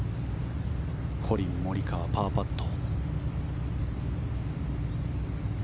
コリン・モリカワパーパット。